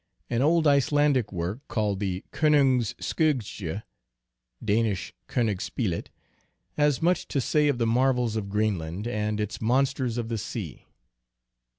An old Icelandic work, called the Ko nungs Skuggsjd (Danish, Kongespeilet), has much to say of the marvels of Greenland and its monsters of the sea.